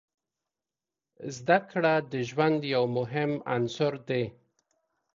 زده کړه د ژوند یو مهم عنصر دی.